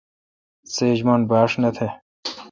سیچ من ۔بھاش نہ تہ۔